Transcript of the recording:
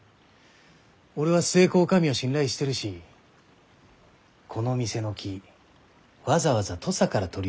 俺は寿恵子女将を信頼してるしこの店の木わざわざ土佐から取り寄せたものだろう？